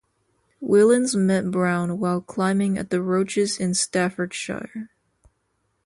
Whillans met Brown while climbing at the Roaches in Staffordshire.